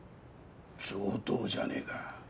上等じゃねえか。